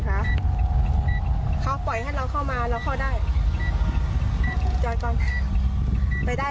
นี่เราเป็นใครเนี่ย